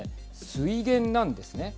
水源なんですね。